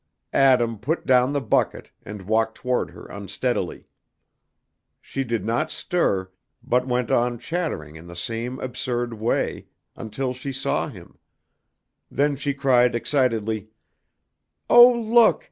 Adam put down the bucket, and walked toward her unsteadily. She did not stir, but went on chattering in the same absurd way, until she saw him; then she cried excitedly, "Oh, look!